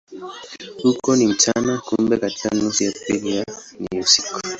Huko ni mchana, kumbe katika nusu ya pili ni usiku.